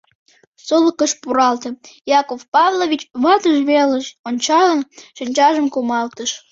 — Сулыкыш пуралте, — Яков Павлович, ватыж велыш ончалын, шинчажым кумалтыш.